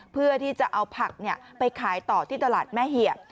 เพื่อที่จะเอาผักไปขายต่อที่ตลาดแม่เหียบ